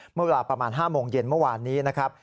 เมื่อเวลาประมาณ๕โมงเย็นเมื่อวานนี้นะครับ